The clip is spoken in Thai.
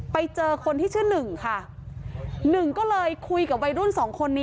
ไปเจอคนที่ชื่อหนึ่งค่ะหนึ่งก็เลยคุยกับวัยรุ่นสองคนนี้